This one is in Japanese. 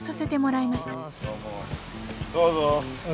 どうぞ。